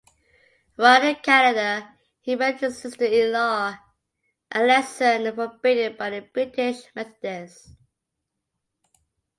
While in Canada, he married his sister-in-law, a leason forbidden by the British Methodists.